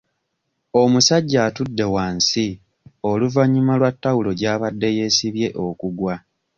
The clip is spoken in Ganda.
Omusajja atudde wansi oluvannyuma lwa tawulo gy'abadde yeesibye okugwa.